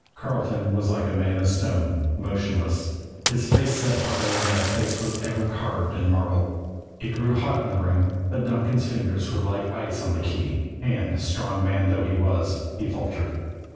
Carleton was like a man of stone, motionless, his face set harder than face was ever carved in marble. It grew hot in the room; but Donkin's fingers were like ice on the key, and, strong man though he was, he faltered.